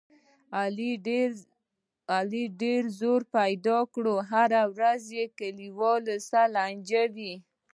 علي ډېر وزر پیدا کړي، هره ورځ یې له کلیوالو سره لانجه وي.